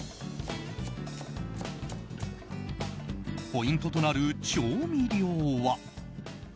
ポイントとなる調味料は。